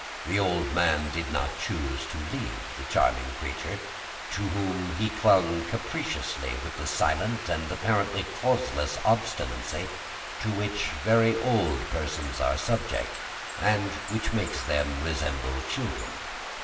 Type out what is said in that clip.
The old man did not choose to leave the charming creature, to whom he clung capriciously with the silent and apparently causeless obstinacy to which very old persons are subject, and which makes them resemble children.